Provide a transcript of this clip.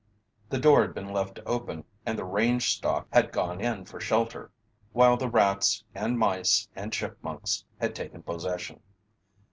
The door had been left open and the range stock had gone in for shelter, while the rats and mice and chipmunks had taken possession.